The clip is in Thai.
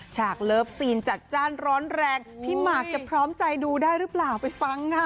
ฉากเลิฟซีนจัดจ้านร้อนแรงพี่หมากจะพร้อมใจดูได้หรือเปล่าไปฟังค่ะ